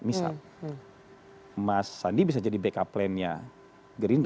misal mas sandi bisa jadi backup plan nya gerindra